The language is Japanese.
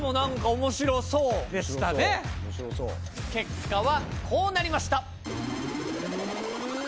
・面白そう・結果はこうなりました。